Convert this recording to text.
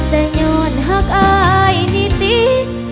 แต่ย้อนหักอายนิติ